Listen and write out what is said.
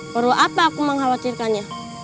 perlu apa aku mengkhawatirkannya